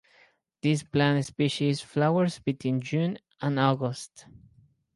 This plant species flowers between June and August.